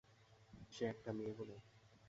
সে একটা মেয়ে বলে?